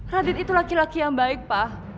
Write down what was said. radit itu laki laki yang baik pak